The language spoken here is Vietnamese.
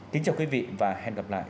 kính chào quý vị và hẹn gặp lại